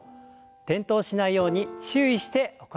転倒しないように注意して行ってください。